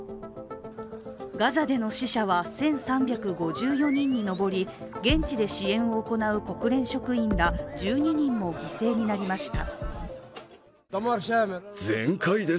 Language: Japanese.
ガザでの死者は１３５４人に上り現地で支援を行う国連職員ら１２人も犠牲になりました。